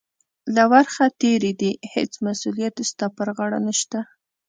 له ورخه تېرې دي، هېڅ مسؤلیت یې ستا پر غاړه نشته.